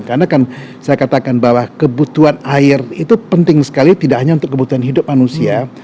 karena kan saya katakan bahwa kebutuhan air itu penting sekali tidak hanya untuk kebutuhan hidup manusia